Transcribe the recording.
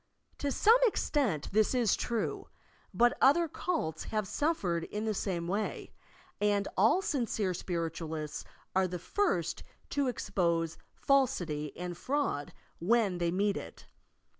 To some extent this is true, but other cults have suffered in the same way, and all sincere spiritualists are the first to expose falsity and fraud when they meet it.